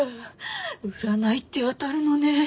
占いって当たるのねぇ。